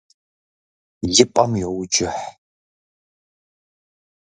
И пӏэм йоуджыхь.